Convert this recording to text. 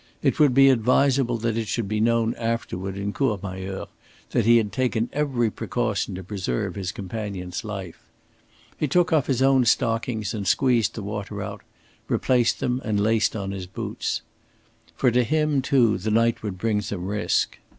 It would be advisable that it should be known afterward in Courmayeur that he had taken every precaution to preserve his companion's life. He took off his own stockings and squeezed the water out, replaced them, and laced on his boots. For to him, too, the night would bring some risk.